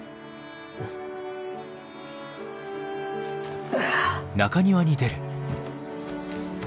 うん。ああ。